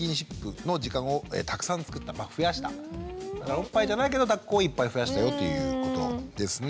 おっぱいじゃないけどだっこをいっぱい増やしたよということですね。